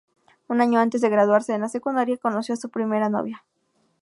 Un año antes de graduarse en la secundaria, conoció a su primera novia.